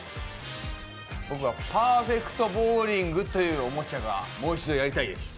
僕はパーフェクトボウリングというおもちゃがもう一度やりたいです。